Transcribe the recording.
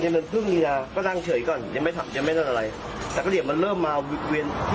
มันต่อยยังไงต่อยหูซ้ายถลุหูควาพี่สัมพันธ์